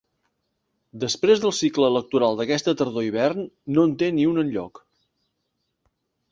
Després del cicle electoral d’aquesta tardor-hivern, no en té ni un enlloc.